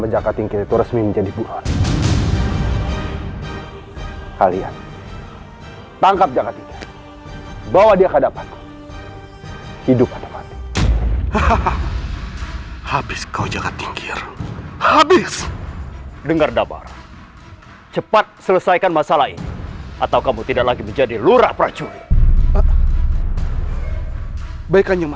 jangan lupa untuk berhenti mencari kesalahan